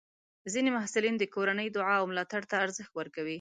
ځینې محصلین د کورنۍ دعا او ملاتړ ته ارزښت ورکوي.